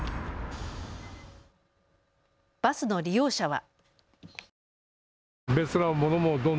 バスの利用者は。